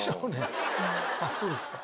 あっそうですか。